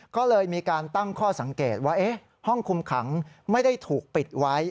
ก็เลยมีการตั้งข้อสังเกตว่าห้องคุมขังไม่ได้ถูกปิดไว้